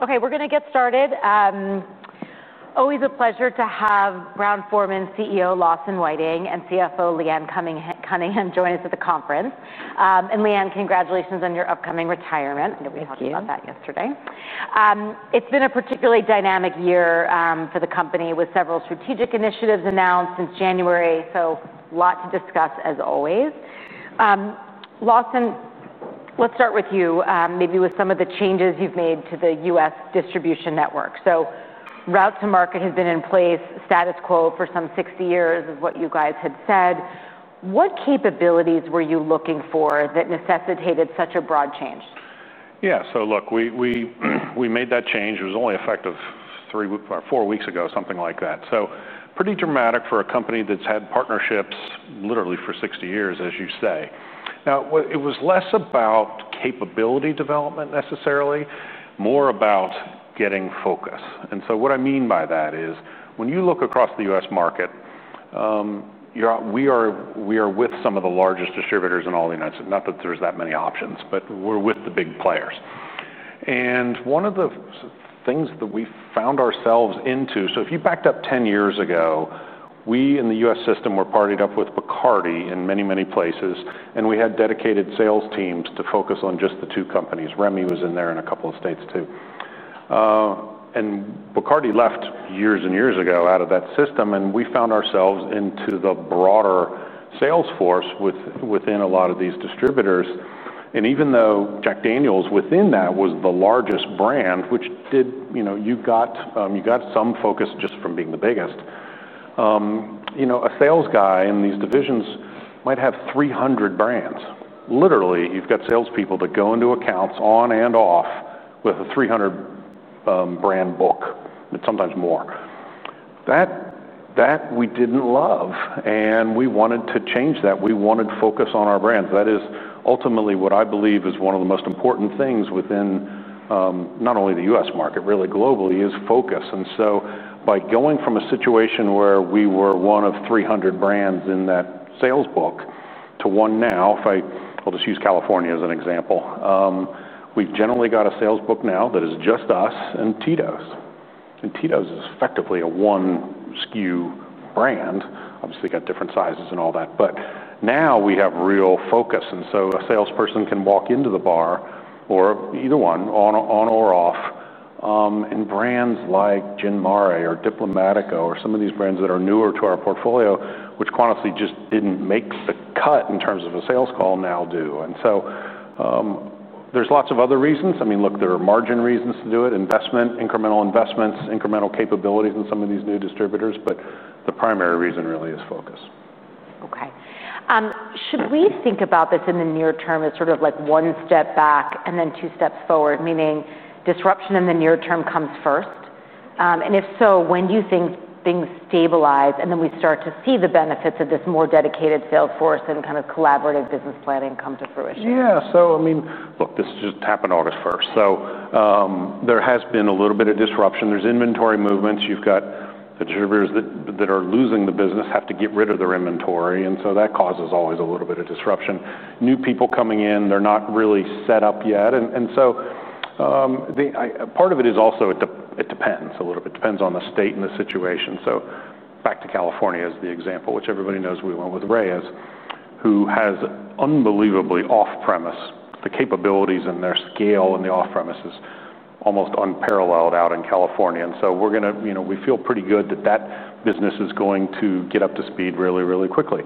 Okay, we're going to get started. Always a pleasure to have Brown-Forman CEO Lawson Whiting and CFO Leanne Cunningham join us at the conference. And Leanne, congratulations on your upcoming retirement. Thank you. I know we talked about that yesterday. It's been a particularly dynamic year for the company, with several strategic initiatives announced since January, so a lot to discuss, as always. Lawson, let's start with you, maybe with some of the changes you've made to the U.S. distribution network. So route-to-market has been in place status quo for some 60 years, is what you guys had said. What capabilities were you looking for that necessitated such a broad change? Yeah, so look, we made that change. It was only effective four weeks ago, something like that. So pretty dramatic for a company that's had partnerships literally for 60 years, as you say. Now, it was less about capability development necessarily, more about getting focus. And so what I mean by that is, when you look across the U.S. market, we are with some of the largest distributors in all the United States. Not that there's that many options, but we're with the big players. And one of the things that we found ourselves into, so if you backed up 10 years ago, we in the U.S. system were partnered up with Bacardi in many, many places. And we had dedicated sales teams to focus on just the two companies. Remy was in there in a couple of states, too. And Bacardi left years and years ago out of that system, and we found ourselves into the broader sales force within a lot of these distributors. And even though Jack Daniel's within that was the largest brand, which did. You got some focus just from being the biggest. A sales guy in these divisions might have 300 brands. Literally, you've got salespeople that go into accounts on- and off-premise with a 300-brand book, sometimes more. That we didn't love, and we wanted to change that. We wanted focus on our brands. That is ultimately what I believe is one of the most important things within not only the U.S. market, really globally, is focus. And so by going from a situation where we were one of 300 brands in that sales book to one now, if I'll just use California as an example, we've generally got a sales book now that is just us and Tito's, and Tito's is effectively a one SKU brand. Obviously, got different sizes and all that, but now we have real focus, and so a salesperson can walk into the bar, or either one, on or off, in brands like Gin Mare or Diplomático or some of these brands that are newer to our portfolio, which quantitatively just didn't make the cut in terms of a sales call, now do, and so there's lots of other reasons. I mean, look, there are margin reasons to do it, investment, incremental investments, incremental capabilities in some of these new distributors, but the primary reason really is focus. Okay. Should we think about this in the near term as sort of like one step back and then two steps forward, meaning disruption in the near term comes first? And if so, when do you think things stabilize and then we start to see the benefits of this more dedicated sales force and kind of collaborative business planning come to fruition? Yeah, so I mean, look, this just happened August 1st. So there has been a little bit of disruption. There's inventory movements. You've got the distributors that are losing the business have to get rid of their inventory. And so that causes always a little bit of disruption. New people coming in, they're not really set up yet. And so part of it is also it depends a little bit. It depends on the state and the situation. So back to California as the example, which everybody knows we went with Reyes, who has unbelievably off-premise capabilities. And their scale and the off-premise is almost unparalleled out in California. And so we're going to feel pretty good that that business is going to get up to speed really, really quickly.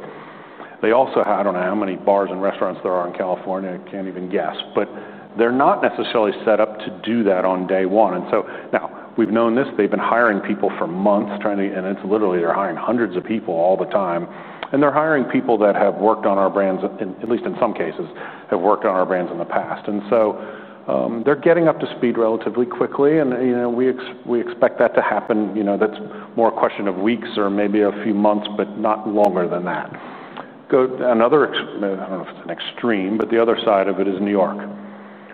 They also have I don't know how many bars and restaurants there are in California. I can't even guess. But they're not necessarily set up to do that on day one, and so now we've known this. They've been hiring people for months, and it's literally they're hiring hundreds of people all the time. And they're hiring people that have worked on our brands, at least in some cases, have worked on our brands in the past. And so they're getting up to speed relatively quickly. And we expect that to happen. That's more a question of weeks or maybe a few months, but not longer than that. Another, I don't know if it's an extreme, but the other side of it is New York.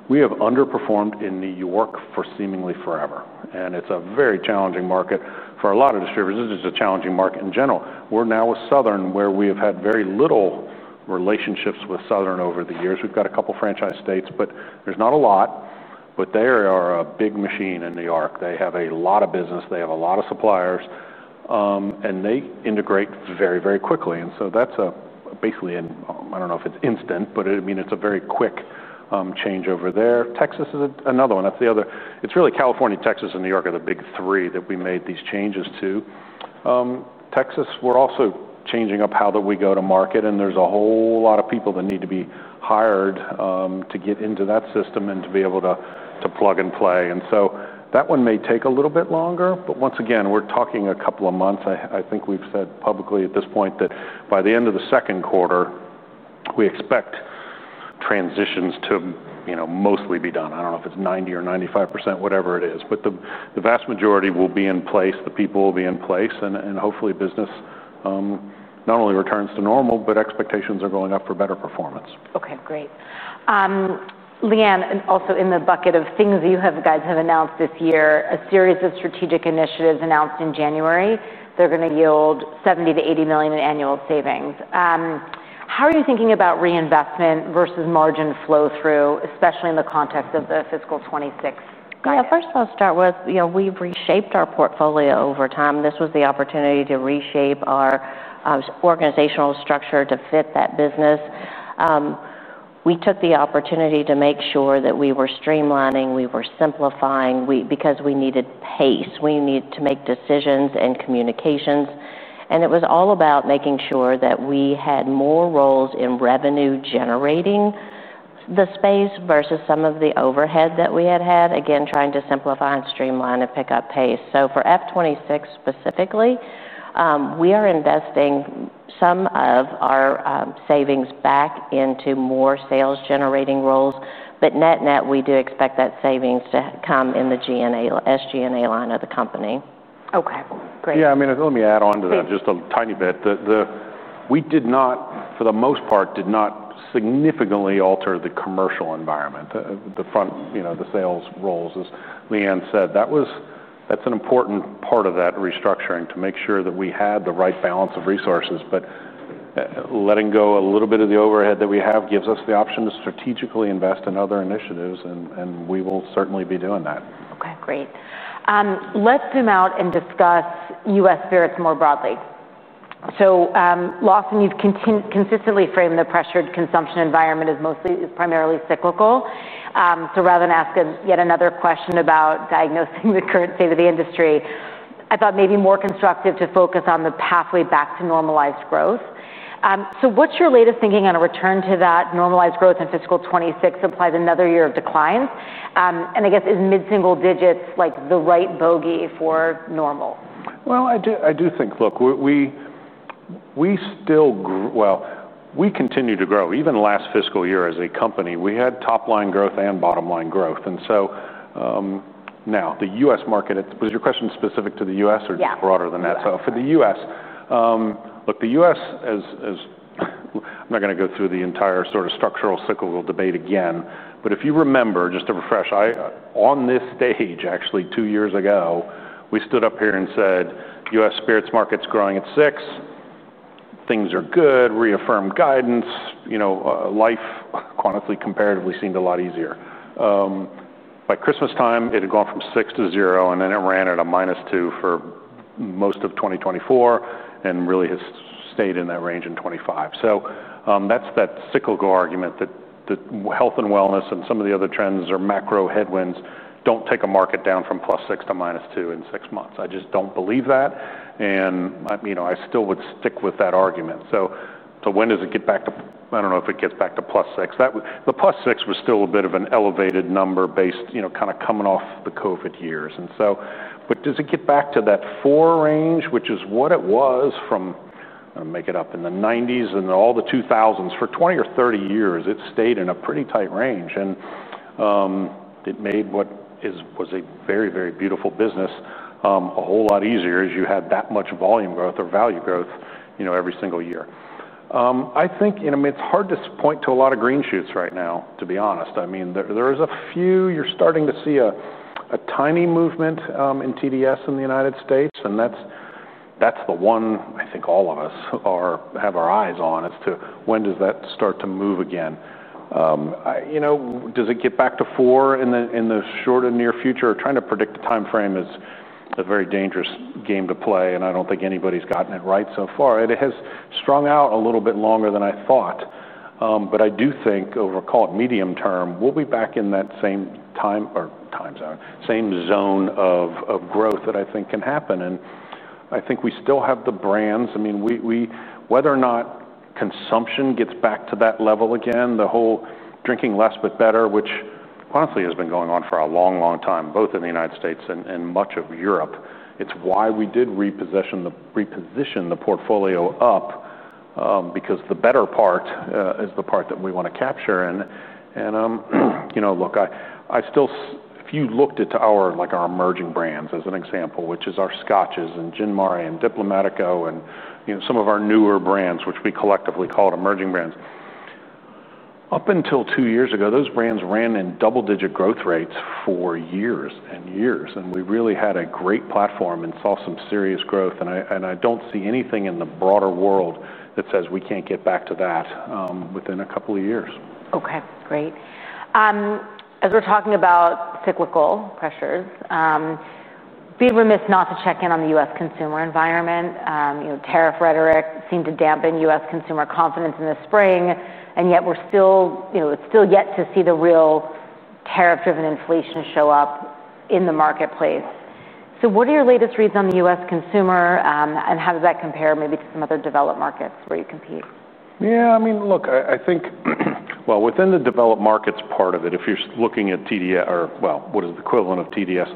We have underperformed in New York for seemingly forever. And it's a very challenging market for a lot of distributors. This is a challenging market in general. We're now with Southern, where we have had very little relationships with Southern over the years. We've got a couple of franchise states, but there's not a lot. But they are a big machine in New York. They have a lot of business. They have a lot of suppliers. And they integrate very, very quickly. And so that's basically I don't know if it's instant, but I mean, it's a very quick change over there. Texas is another one. That's the other. It's really California, Texas, and New York are the big three that we made these changes to. Texas, we're also changing up how that we go to market. And there's a whole lot of people that need to be hired to get into that system and to be able to plug and play. And so that one may take a little bit longer. But once again, we're talking a couple of months. I think we've said publicly at this point that by the end of the second quarter, we expect transitions to mostly be done. I don't know if it's 90% or 95%, whatever it is. But the vast majority will be in place. The people will be in place. And hopefully, business not only returns to normal, but expectations are going up for better performance. Okay, great. Leanne, also in the bucket of things that you guys have announced this year, a series of strategic initiatives announced in January. They're going to yield $70 million-$80 million in annual savings. How are you thinking about reinvestment versus margin flow-through, especially in the context of the fiscal 2026? Yeah, first I'll start with we've reshaped our portfolio over time. This was the opportunity to reshape our organizational structure to fit that business. We took the opportunity to make sure that we were streamlining. We were simplifying because we needed pace. We needed to make decisions and communications. And it was all about making sure that we had more roles in revenue-generating the space versus some of the overhead that we had had, again, trying to simplify and streamline and pick up pace. So for FY 2026 specifically, we are investing some of our savings back into more sales-generating roles. But net-net, we do expect that savings to come in the SG&A line of the company. Okay, great. Yeah, I mean, let me add on to that just a tiny bit. We did not, for the most part, significantly alter the commercial environment, the front, the sales roles, as Leanne said. That's an important part of that restructuring to make sure that we had the right balance of resources. But letting go a little bit of the overhead that we have gives us the option to strategically invest in other initiatives. And we will certainly be doing that. Okay, great. Let's zoom out and discuss U.S. spirits more broadly. So, Lawson, you've consistently framed the pressured consumption environment as mostly primarily cyclical. So rather than ask yet another question about diagnosing the current state of the industry, I thought maybe more constructive to focus on the pathway back to normalized growth. So what's your latest thinking on a return to that normalized growth in fiscal 2026 implies another year of declines? And I guess, is mid-single digits like the right bogey for normal? Well, I do think, look, we still, well, we continue to grow. Even last fiscal year as a company, we had top-line growth and bottom-line growth. And so now, the U.S. market. Was your question specific to the U.S. or just broader than that? Yeah. So for the U.S., look, the U.S., I'm not going to go through the entire sort of structural cyclical debate again. But if you remember, just to refresh, on this stage, actually, two years ago, we stood up here and said, "U.S. spirits market's growing at six. Things are good. Reaffirm guidance." Life, quantitatively, comparatively seemed a lot easier. By Christmastime, it had gone from six to zero, and then it ran at a minus two for most of 2024 and really has stayed in that range in 2025. So that's that cyclical argument that health and wellness and some of the other trends or macro headwinds don't take a market down from plus six to minus two in six months. I just don't believe that. And I still would stick with that argument. When does it get back to, I don't know if it gets back to plus six. The plus six was still a bit of an elevated number based kind of coming off the COVID years. And so, but does it get back to that four range, which is what it was from, I'm going to make it up, in the 1990s and all the 2000s? For 20 or 30 years, it stayed in a pretty tight range. And it made what was a very, very beautiful business a whole lot easier as you had that much volume growth or value growth every single year. I think, I mean, it's hard to point to a lot of green shoots right now, to be honest. I mean, there is a few. You're starting to see a tiny movement in TDS in the United States. That's the one I think all of us have our eyes on. It's to when does that start to move again? Does it get back to four in the short and near future? Trying to predict a time frame is a very dangerous game to play. I don't think anybody's gotten it right so far. It has strung out a little bit longer than I thought. I do think, over, call it medium term, we'll be back in that same time or time zone, same zone of growth that I think can happen. I think we still have the brands. I mean, whether or not consumption gets back to that level again, the whole drinking less but better, which honestly has been going on for a long, long time, both in the United States and much of Europe, it's why we did reposition the portfolio up because the better part is the part that we want to capture. And look, I still, if you looked at our emerging brands as an example, which is our Scotches and Gin Mare and Diplomático and some of our newer brands, which we collectively call emerging brands, up until two years ago, those brands ran in double-digit growth rates for years and years. And we really had a great platform and saw some serious growth. And I don't see anything in the broader world that says we can't get back to that within a couple of years. Okay, great. As we're talking about cyclical pressures, being remiss not to check in on the U.S. consumer environment. Tariff rhetoric seemed to dampen U.S. consumer confidence in the spring, and yet we're still, it's still yet to see the real tariff-driven inflation show up in the marketplace, so what are your latest reads on the U.S. consumer, and how does that compare maybe to some other developed markets where you compete? Yeah, I mean, look, I think, well, within the developed markets part of it, if you're looking at TDS or, well, what is the equivalent of TDS,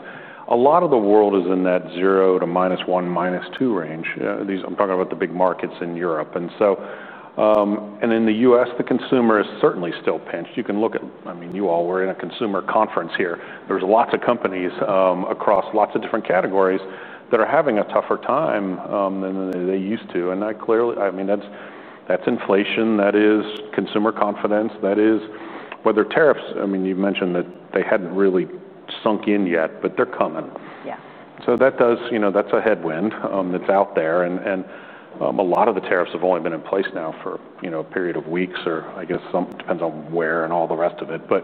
a lot of the world is in that zero to minus one, minus two range. I'm talking about the big markets in Europe. And so in the U.S., the consumer is certainly still pinched. You can look at, I mean, you all were in a consumer conference here. There's lots of companies across lots of different categories that are having a tougher time than they used to. And I clearly, I mean, that's inflation. That is consumer confidence. That is whether tariffs, I mean, you mentioned that they hadn't really sunk in yet, but they're coming. Yeah. So that does, that's a headwind that's out there. And a lot of the tariffs have only been in place now for a period of weeks or I guess depends on where and all the rest of it. But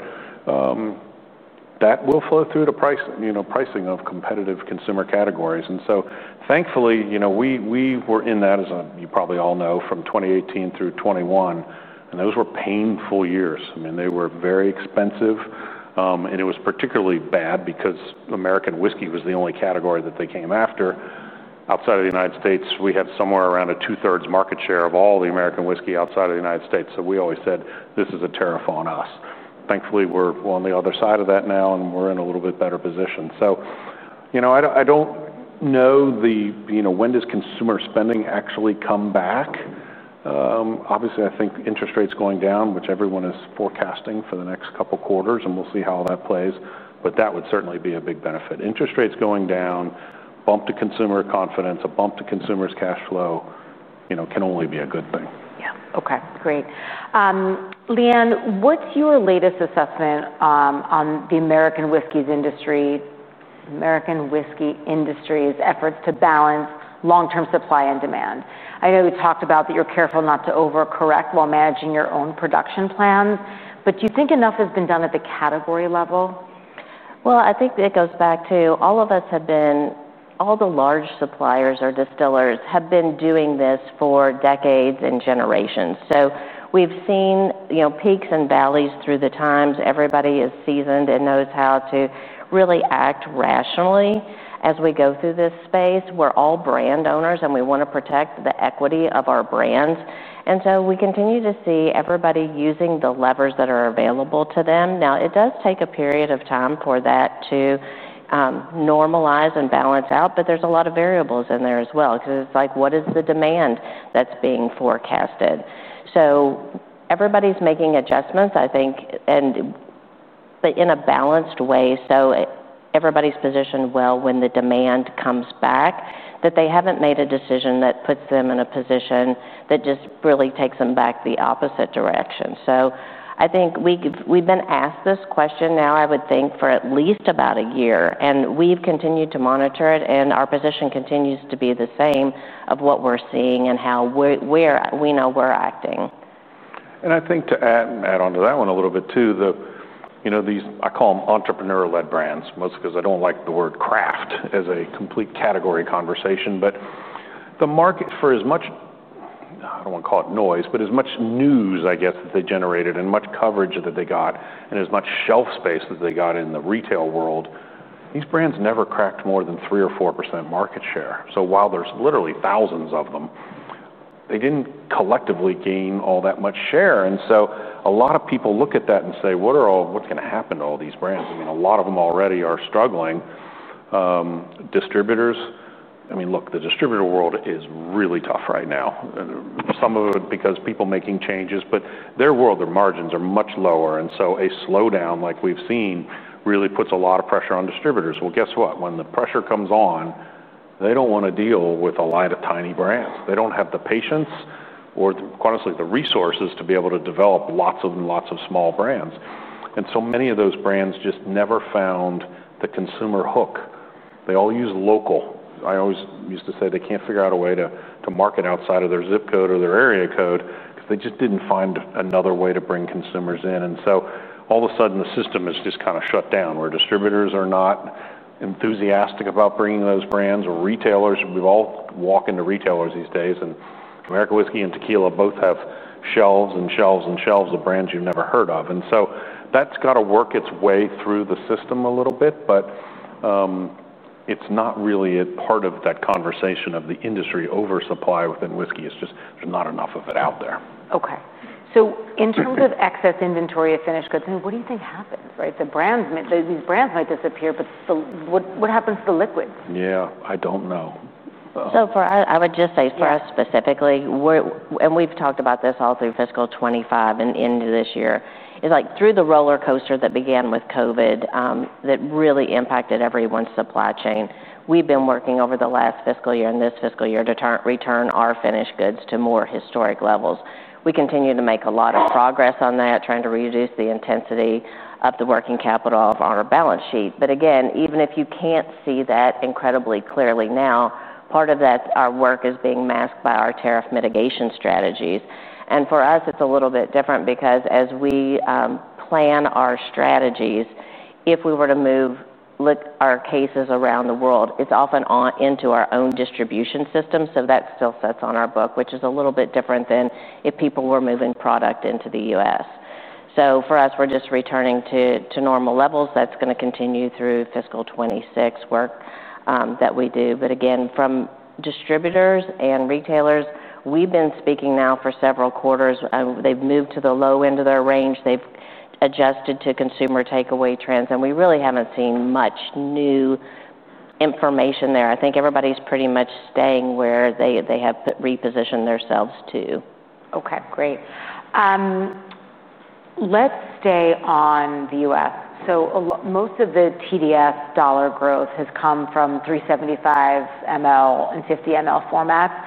that will flow through the pricing of competitive consumer categories. And so thankfully, we were in that, as you probably all know, from 2018 through 2021. And those were painful years. I mean, they were very expensive. And it was particularly bad because American whiskey was the only category that they came after. Outside of the United States, we had somewhere around a two-thirds market share of all the American whiskey outside of the United States. So we always said, "This is a tariff on us." Thankfully, we're on the other side of that now, and we're in a little bit better position. I don't know when does consumer spending actually come back. Obviously, I think interest rates going down, which everyone is forecasting for the next couple of quarters, and we'll see how that plays. But that would certainly be a big benefit. Interest rates going down, a bump to consumer confidence, a bump to consumers' cash flow can only be a good thing. Yeah. Okay, great. Leanne, what's your latest assessment on the American whiskey industry's efforts to balance long-term supply and demand? I know we talked about that you're careful not to overcorrect while managing your own production plans. But do you think enough has been done at the category level? I think it goes back to all of us have been all the large suppliers or distillers have been doing this for decades and generations. We've seen peaks and valleys through the times. Everybody is seasoned and knows how to really act rationally as we go through this space. We're all brand owners, and we want to protect the equity of our brands. We continue to see everybody using the levers that are available to them. Now, it does take a period of time for that to normalize and balance out. There's a lot of variables in there as well because it's like, what is the demand that's being forecasted? So everybody's making adjustments, I think, but in a balanced way so everybody's positioned well when the demand comes back, that they haven't made a decision that puts them in a position that just really takes them back the opposite direction. So I think we've been asked this question now, I would think, for at least about a year. And we've continued to monitor it. And our position continues to be the same of what we're seeing and how we know we're acting. I think to add on to that one a little bit too. These I call them entrepreneur-led brands, mostly because I don't like the word craft as a complete category conversation. But the market, for as much I don't want to call it noise, but as much news, I guess, that they generated and much coverage that they got and as much shelf space that they got in the retail world, these brands never cracked more than 3% or 4% market share. So while there's literally thousands of them, they didn't collectively gain all that much share. And so a lot of people look at that and say, "What's going to happen to all these brands?" I mean, a lot of them already are struggling. Distributors, I mean, look, the distributor world is really tough right now. Some of it because people making changes. But their world, their margins are much lower. And so a slowdown like we've seen really puts a lot of pressure on distributors. Well, guess what? When the pressure comes on, they don't want to deal with a lot of tiny brands. They don't have the patience or, honestly, the resources to be able to develop lots and lots of small brands. And so many of those brands just never found the consumer hook. They all use local. I always used to say they can't figure out a way to market outside of their zip code or their area code because they just didn't find another way to bring consumers in. And so all of a sudden, the system is just kind of shut down where distributors are not enthusiastic about bringing those brands or retailers. We've all walked into retailers these days. American whiskey and tequila both have shelves and shelves and shelves of brands you've never heard of. So that's got to work its way through the system a little bit. It's not really a part of that conversation of the industry oversupply within whiskey. It's just there's not enough of it out there. Okay. So in terms of excess inventory of finished goods, I mean, what do you think happens? Right? These brands might disappear, but what happens to the liquids? Yeah, I don't know. So far, I would just say for us specifically, and we've talked about this all through Fiscal 2025 and into this year, is like through the roller coaster that began with COVID that really impacted everyone's supply chain. We've been working over the last fiscal year and this fiscal year to return our finished goods to more historic levels. We continue to make a lot of progress on that, trying to reduce the intensity of the working capital of our balance sheet. But again, even if you can't see that incredibly clearly now, part of that, our work is being masked by our tariff mitigation strategies. And for us, it's a little bit different because as we plan our strategies, if we were to move our cases around the world, it's often on into our own distribution system. So that still sits on our book, which is a little bit different than if people were moving product into the U.S. So for us, we're just returning to normal levels. That's going to continue through fiscal 2026 work that we do. But again, from distributors and retailers, we've been speaking now for several quarters. They've moved to the low end of their range. They've adjusted to consumer takeaway trends. And we really haven't seen much new information there. I think everybody's pretty much staying where they have repositioned themselves to. Okay, great. Let's stay on the U.S. So most of the TDS dollar growth has come from 375 ml and 50 ml formats,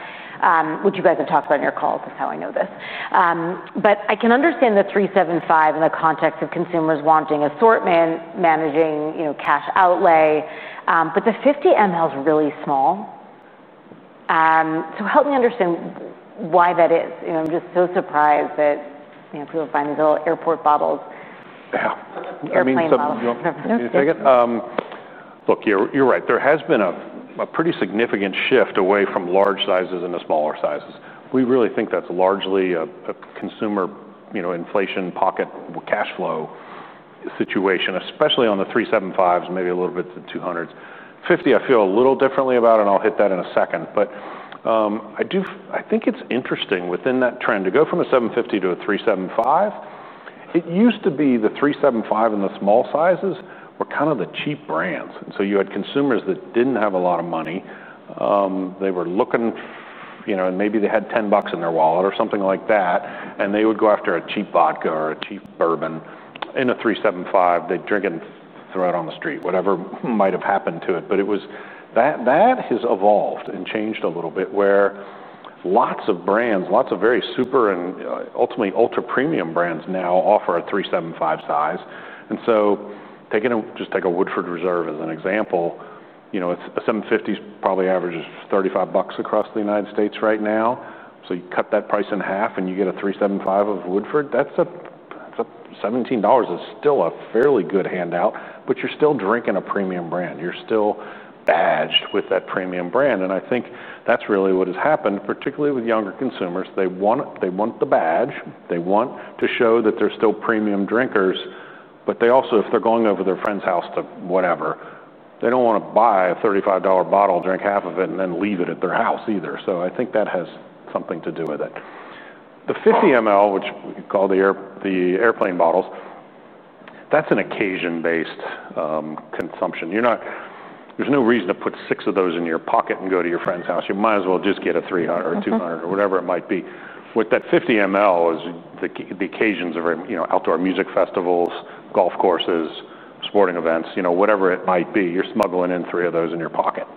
which you guys have talked about in your calls. That's how I know this. But I can understand the 375 in the context of consumers wanting assortment, managing cash outlay. But the 50 ml is really small. So help me understand why that is. I'm just so surprised that people find these little airport bottles. Yeah. Explain that. Give me a second. Look, you're right. There has been a pretty significant shift away from large sizes into smaller sizes. We really think that's largely a consumer inflation pocket cash flow situation, especially on the 375s, maybe a little bit to the 200s. 50, I feel a little differently about it, and I'll hit that in a second. But I think it's interesting within that trend to go from a 750 to a 375. It used to be the 375 and the small sizes were kind of the cheap brands. And so you had consumers that didn't have a lot of money. They were looking, and maybe they had $10 in their wallet or something like that. And they would go after a cheap vodka or a cheap bourbon in a 375. They'd drink it and throw it on the street, whatever might have happened to it. But that has evolved and changed a little bit where lots of brands, lots of very super and ultimately ultra premium brands now offer a 375 size. And so just take a Woodford Reserve as an example. A 750 probably averages $35 across the United States right now. So you cut that price in half and you get a 375 of Woodford. That's $17 is still a fairly good handout, but you're still drinking a premium brand. You're still badged with that premium brand. And I think that's really what has happened, particularly with younger consumers. They want the badge. They want to show that they're still premium drinkers. But they also, if they're going over to their friend's house to whatever, they don't want to buy a $35 bottle, drink half of it, and then leave it at their house either. So I think that has something to do with it. The 50 ml, which we call the airplane bottles, that's an occasion-based consumption. There's no reason to put six of those in your pocket and go to your friend's house. You might as well just get a 300 or 200 or whatever it might be. With that 50 ml, the occasions are outdoor music festivals, golf courses, sporting events, whatever it might be. You're smuggling in three of those in your pocket,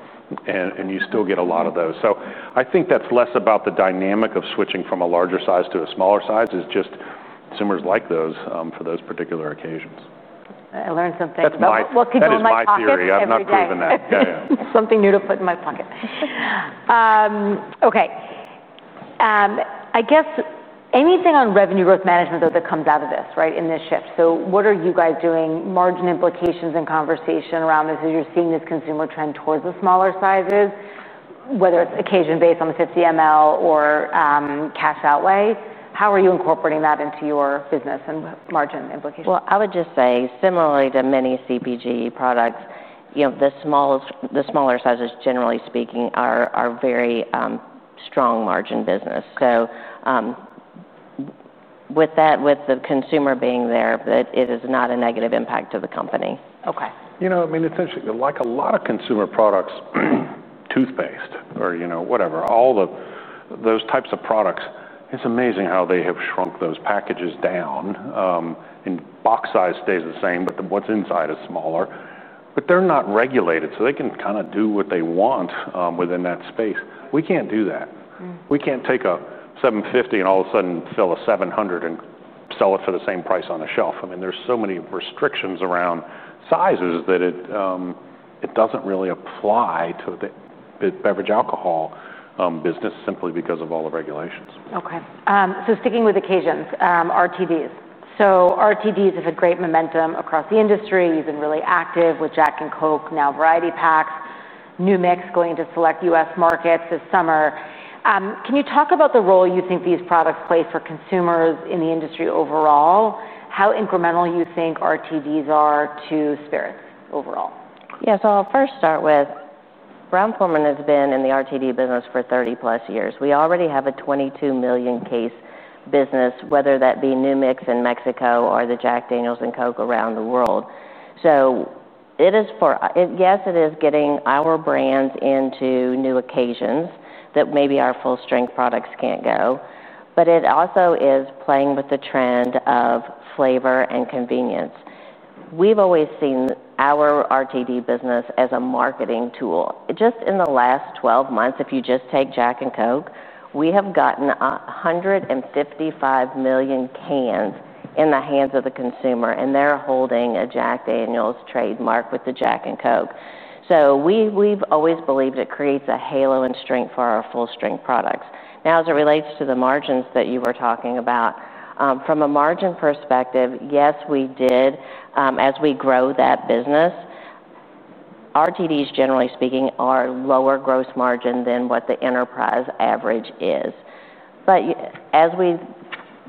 and you still get a lot of those. So I think that's less about the dynamic of switching from a larger size to a smaller size. It's just consumers like those for those particular occasions. I learned something. That's my theory. I'm not proving that. Something new to put in my pocket. Okay. I guess anything on revenue growth management, though, that comes out of this, right, in this shift? So what are you guys doing? Margin implications and conversation around this as you're seeing this consumer trend towards the smaller sizes, whether it's occasion-based on the 50 ml or cash outlay? How are you incorporating that into your business and margin implications? I would just say, similarly to many CPG products, the smaller sizes, generally speaking, are very strong margin business. So with that, with the consumer being there, it is not a negative impact to the company. Okay. You know, I mean, essentially, like a lot of consumer products, toothpaste or whatever, all of those types of products, it's amazing how they have shrunk those packages down, and box size stays the same, but what's inside is smaller, but they're not regulated, so they can kind of do what they want within that space. We can't do that. We can't take a 750 and all of a sudden fill a 700 and sell it for the same price on a shelf. I mean, there's so many restrictions around sizes that it doesn't really apply to the beverage alcohol business simply because of all the regulations. Okay. So sticking with occasions, RTDs. So RTDs have had great momentum across the industry. You've been really active with Jack and Coke, now Variety Packs, New Mix going into select U.S. markets this summer. Can you talk about the role you think these products play for consumers in the industry overall? How incremental you think RTDs are to spirits overall? Yeah. So I'll first start with Brown-Forman has been in the RTD business for 30-plus years. We already have a 22 million case business, whether that be New Mix in Mexico or the Jack Daniel's and Coke around the world. So yes, it is getting our brands into new occasions that maybe our full-strength products can't go. But it also is playing with the trend of flavor and convenience. We've always seen our RTD business as a marketing tool. Just in the last 12 months, if you just take Jack and Coke, we have gotten 155 million cans in the hands of the consumer, and they're holding a Jack Daniel's trademark with the Jack and Coke. So we've always believed it creates a halo and strength for our full-strength products. Now, as it relates to the margins that you were talking about, from a margin perspective, yes, we did. As we grow that business, RTDs, generally speaking, are lower gross margin than what the enterprise average is. But as we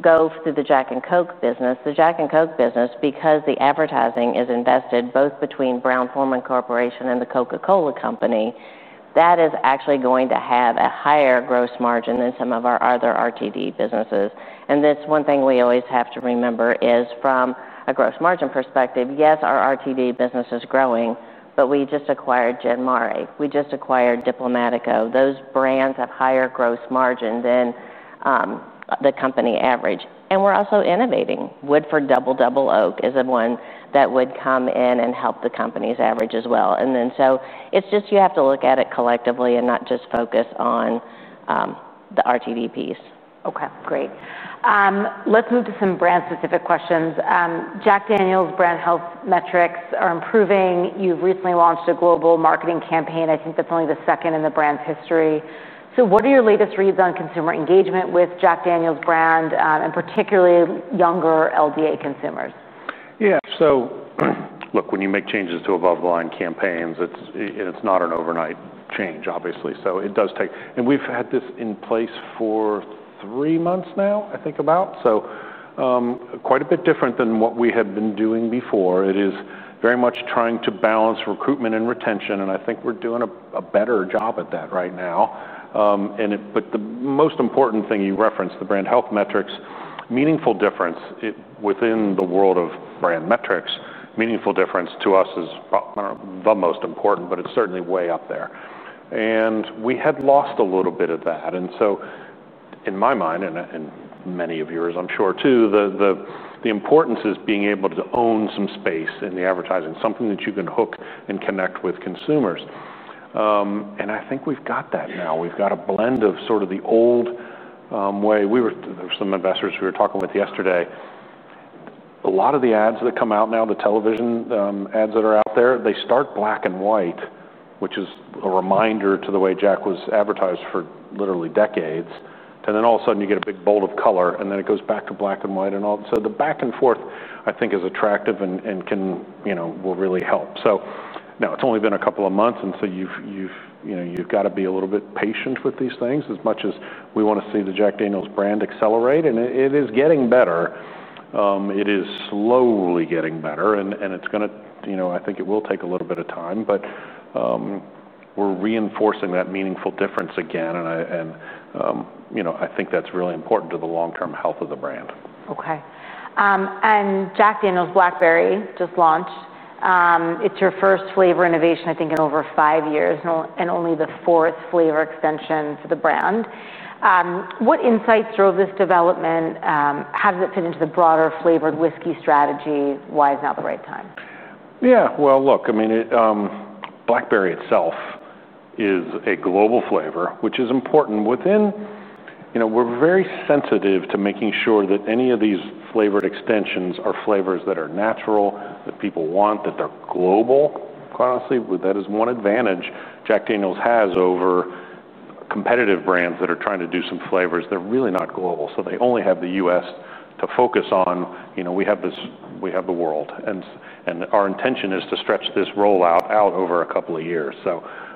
go through the Jack and Coke business, the Jack and Coke business, because the advertising is invested both between Brown-Forman Corporation and the Coca-Cola Company, that is actually going to have a higher gross margin than some of our other RTD businesses. And this one thing we always have to remember is, from a gross margin perspective, yes, our RTD business is growing, but we just acquired Gin Mare. We just acquired Diplomático. Those brands have higher gross margin than the company average. And we're also innovating. Woodford Double Double Oaked is the one that would come in and help the company's average as well. And then so it's just you have to look at it collectively and not just focus on the RTD piece. Okay, great. Let's move to some brand-specific questions. Jack Daniel's brand health metrics are improving. You've recently launched a global marketing campaign. I think that's only the second in the brand's history. So what are your latest reads on consumer engagement with Jack Daniel's brand, and particularly younger LDA consumers? Yeah. So look, when you make changes to above-the-line campaigns, it's not an overnight change, obviously, so it does take, and we've had this in place for three months now, I think, about, so quite a bit different than what we had been doing before. It is very much trying to balance recruitment and retention, and I think we're doing a better job at that right now, but the most important thing you referenced, the brand health metrics, meaningful difference within the world of brand metrics, meaningful difference to us is probably not the most important, but it's certainly way up there, and we had lost a little bit of that, and so in my mind, and many of yours, I'm sure too, the importance is being able to own some space in the advertising, something that you can hook and connect with consumers, and I think we've got that now. We've got a blend of sort of the old way. There were some investors we were talking with yesterday. A lot of the ads that come out now, the television ads that are out there, they start black and white, which is a reminder to the way Jack was advertised for literally decades. And then all of a sudden, you get a big bowl of color, and then it goes back to black and white and all. So the back and forth, I think, is attractive and will really help. So now it's only been a couple of months, and so you've got to be a little bit patient with these things as much as we want to see the Jack Daniel's brand accelerate. And it is getting better. It is slowly getting better. And it's going to, I think it will take a little bit of time. We're reinforcing that meaningful difference again. I think that's really important to the long-term health of the brand. Okay. And Jack Daniel's Blackberry just launched. It's your first flavor innovation, I think, in over five years and only the fourth flavor extension for the brand. What insights drove this development? How does it fit into the broader flavored whiskey strategy? Why is now the right time? Yeah. Well, look, I mean, Blackberry itself is a global flavor, which is important within. We're very sensitive to making sure that any of these flavored extensions are flavors that are natural, that people want, that they're global. Honestly, that is one advantage Jack Daniel's has over competitive brands that are trying to do some flavors that are really not global. So they only have the U.S. to focus on. We have the world. And our intention is to stretch this rollout out over a couple of years.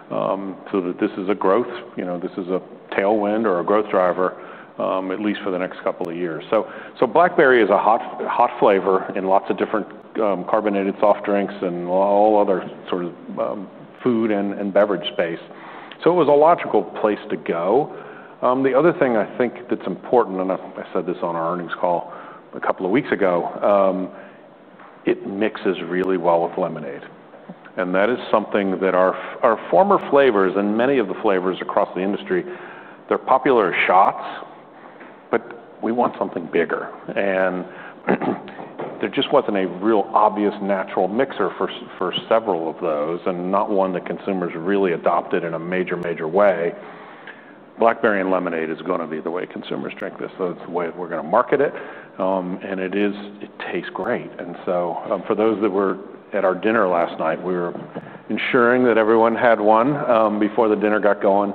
So this is a growth. This is a tailwind or a growth driver, at least for the next couple of years. So Blackberry is a hot flavor in lots of different carbonated soft drinks and all other sort of food and beverage space. So it was a logical place to go. The other thing I think that's important, and I said this on our earnings call a couple of weeks ago, it mixes really well with lemonade. And that is something that our former flavors and many of the flavors across the industry, they're popular shots, but we want something bigger. And there just wasn't a real obvious natural mixer for several of those and not one that consumers really adopted in a major way. Blackberry and lemonade is going to be the way consumers drink this. That's the way we're going to market it. And it tastes great. And so for those that were at our dinner last night, we were ensuring that everyone had one before the dinner got going.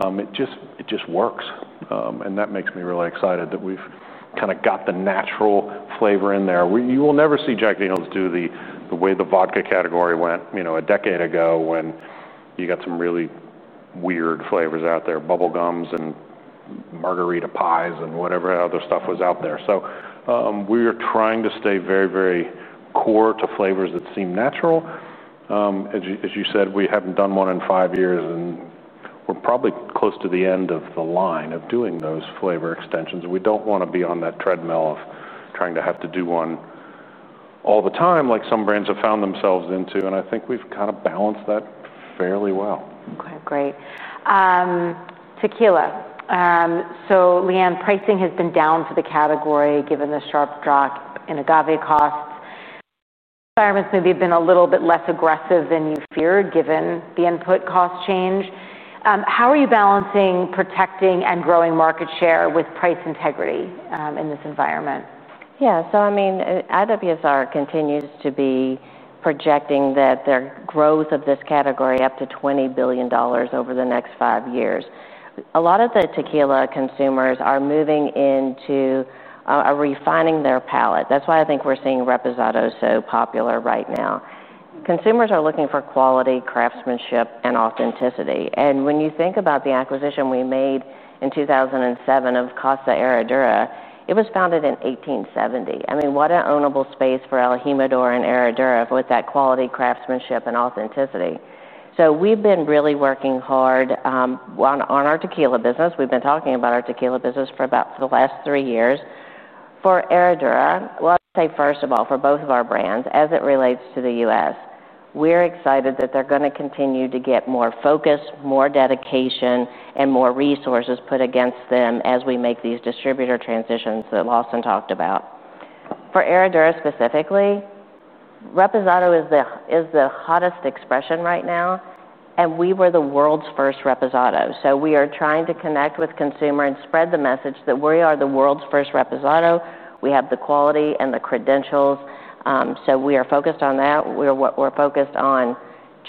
It just works. And that makes me really excited that we've kind of got the natural flavor in there. You will never see Jack Daniel's do the way the vodka category went a decade ago when you got some really weird flavors out there, bubblegums and margarita pies and whatever other stuff was out there. So we are trying to stay very, very core to flavors that seem natural. As you said, we haven't done one in five years, and we're probably close to the end of the line of doing those flavor extensions. We don't want to be on that treadmill of trying to have to do one all the time like some brands have found themselves into. And I think we've kind of balanced that fairly well. Okay, great. Tequila. So, Leanne, pricing has been down for the category given the sharp drop in agave costs. Environments maybe have been a little bit less aggressive than you feared given the input cost change. How are you balancing protecting and growing market share with price integrity in this environment? Yeah. So I mean, IWSR continues to be projecting that their growth of this category up to $20 billion over the next five years. A lot of the tequila consumers are moving into refining their palate. That's why I think we're seeing Reposado so popular right now. Consumers are looking for quality, craftsmanship, and authenticity. And when you think about the acquisition we made in 2007 of Casa Herradura, it was founded in 1870. I mean, what an ownable space for El Jimador and Herradura with that quality craftsmanship and authenticity. So we've been really working hard on our tequila business. We've been talking about our tequila business for about the last three years. For Herradura, let's say first of all, for both of our brands, as it relates to the U.S., we're excited that they're going to continue to get more focus, more dedication, and more resources put against them as we make these distributor transitions that Lawson talked about. For Herradura specifically, Reposado is the hottest expression right now. And we were the world's first Reposado. So we are trying to connect with consumers and spread the message that we are the world's first Reposado. We have the quality and the credentials. So we are focused on that. We're focused on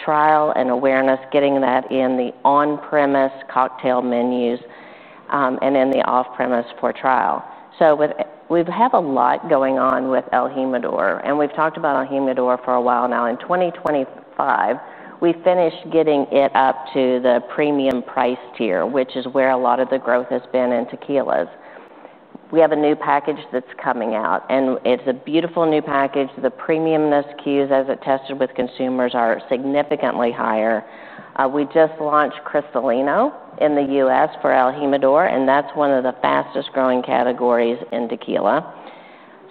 trial and awareness, getting that in the on-premise cocktail menus and in the off-premise for trial. So we have a lot going on with El Jimador. And we've talked about El Jimador for a while now. In 2025, we finished getting it up to the premium price tier, which is where a lot of the growth has been in tequilas. We have a new package that's coming out, and it's a beautiful new package. The premiumness cues, as it tested with consumers, are significantly higher. We just launched Cristalino in the U.S. for El Jimador, and that's one of the fastest-growing categories in tequila,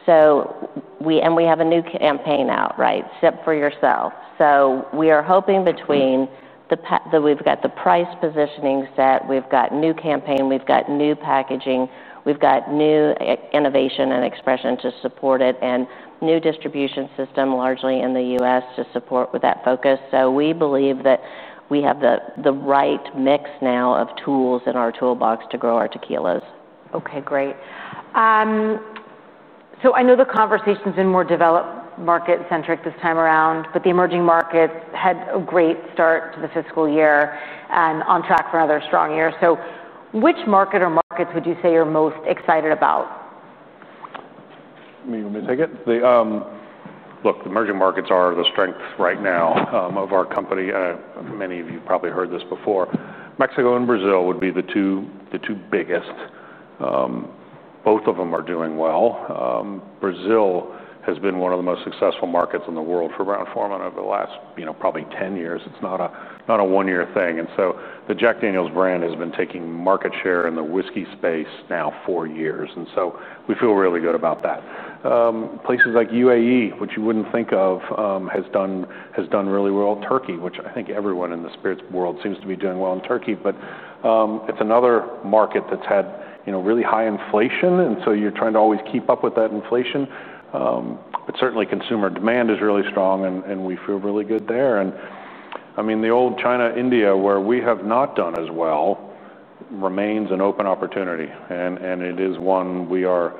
and we have a new campaign out, right, Sip for Yourself, so we are hoping between that we've got the price positioning set, we've got new campaign, we've got new packaging, we've got new innovation and expression to support it, and new distribution system largely in the U.S. to support with that focus, so we believe that we have the right mix now of tools in our toolbox to grow our tequilas. Okay, great. So I know the conversation's been more developed market-centric this time around, but the emerging markets had a great start to the fiscal year and on track for another strong year. So which market or markets would you say you're most excited about? You want me to take it? Look, the emerging markets are the strength right now of our company. Many of you probably heard this before. Mexico and Brazil would be the two biggest. Both of them are doing well. Brazil has been one of the most successful markets in the world for Brown-Forman over the last probably 10 years. It's not a one-year thing. And so the Jack Daniel's brand has been taking market share in the whiskey space now for years. And so we feel really good about that. Places like UAE, which you wouldn't think of, has done really well. Turkey, which I think everyone in the spirits world seems to be doing well in Turkey. But it's another market that's had really high inflation. And so you're trying to always keep up with that inflation. But certainly, consumer demand is really strong, and we feel really good there. And I mean, the old China-India, where we have not done as well, remains an open opportunity. And it is one we are,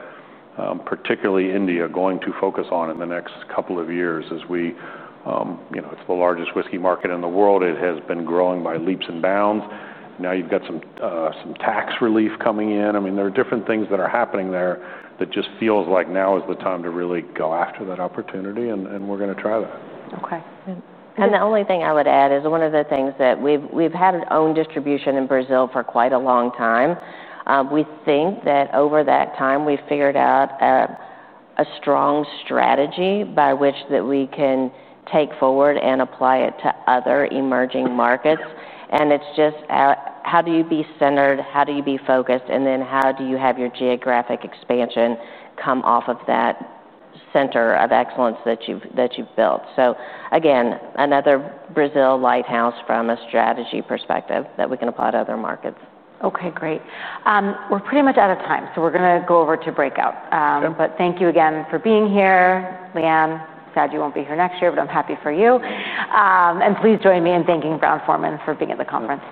particularly India, going to focus on in the next couple of years as it's the largest whiskey market in the world. It has been growing by leaps and bounds. Now you've got some tax relief coming in. I mean, there are different things that are happening there that just feels like now is the time to really go after that opportunity. And we're going to try that. And the only thing I would add is one of the things that we've had owned distribution in Brazil for quite a long time. We think that over that time, we've figured out a strong strategy by which we can take forward and apply it to other emerging markets. And it's just how do you be centered? How do you be focused? And then how do you have your geographic expansion come off of that center of excellence that you've built? So again, another Brazil lighthouse from a strategy perspective that we can apply to other markets. Okay, great. We're pretty much out of time. So we're going to go over to breakout. But thank you again for being here, Leanne. Sad you won't be here next year, but I'm happy for you. And please join me in thanking Brown-Forman for being at the conference.